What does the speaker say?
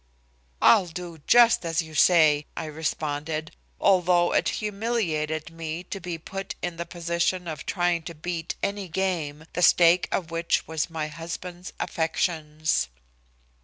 "I'll do just as you say," I responded, although it humiliated me to be put in the position of trying to beat any game, the stake of which was my husband's affections.